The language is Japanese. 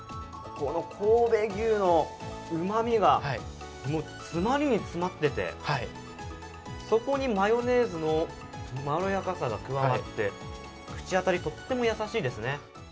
神戸牛のうまみが詰まりに詰まっててそこにマヨネーズのまろやかさが加わって口当たりとっても優しいですね。